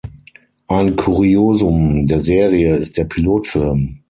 Ein Kuriosum der Serie ist der Pilotfilm.